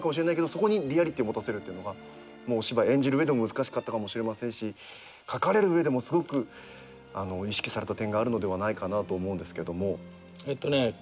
そこにリアリティーを持たせるっていうのがお芝居演じる上でも難しかったかもしれませんし書かれる上でもすごく意識された点があるのではないかなと思うんですけども。